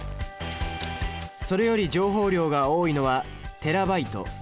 それより情報量が多いのはテラバイト。